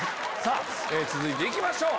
続いて行きましょう。